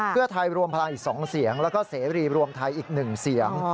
เพื่อไทยรวมพลังอีก๒เสียงแล้วก็เสรีรวมไทยอีก๑เสียง